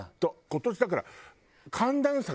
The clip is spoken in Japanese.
今年だから。